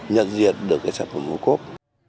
nhận diệt được sản phẩm ô cốp